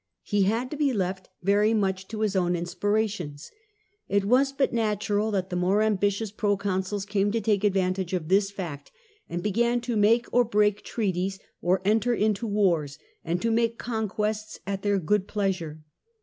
He had to be left very much to his own inspirations. It was, but natural that the more ambitious proconsuls came to take advantage of this fact, and began to make or break treaties, to enter into wars, and to make conquests at their good pleasure.